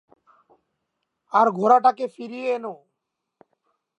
আর ঘোড়াটাকে ফিরিয়ে এনো।